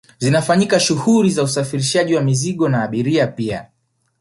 zinafanyika shughuli za usafirishaji wa mizigo na abiria pia